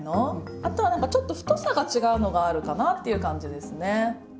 あとは何かちょっと太さが違うのがあるかなっていう感じですね。